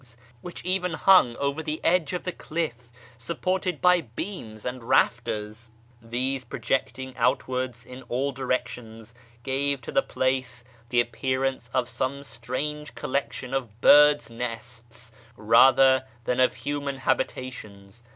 s, which even hung over the edge of the cliff", supported by beams and rafters. These, projecting outwards in all directions, gave to the place the FROM ISFAHAN TO SHIRAZ 225 appearance of some strange collection of birds' nests rather than of human habitations.